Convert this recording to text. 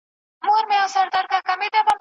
دښت مو زرغون کلی سمسور وو اوس به وي او کنه